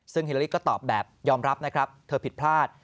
ซึ่งฮิลาลี่ก็ตอบแบบยอมรับนะครับเธอผิดพลาด